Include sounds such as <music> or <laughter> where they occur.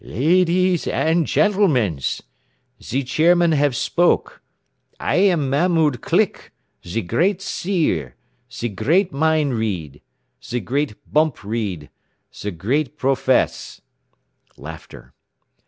"Ladees and gentlemans. Ze chairman have spoke. I am Mahmoud Click, ze great seer, ze great mind read, ze great bump read, ze great profess. <laughs>